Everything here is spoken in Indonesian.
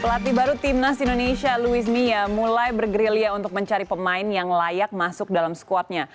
pelatih baru timnas indonesia luis mia mulai bergerilya untuk mencari pemain yang layak masuk dalam squadnya